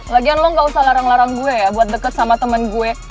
lagian lo gak usah larang larang gue ya buat deket sama temen gue